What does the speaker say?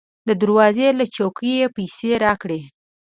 د دروازې له چولې یې پیسې راکړې.